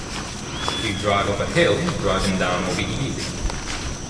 If you drive up a hill, driving down will be easy.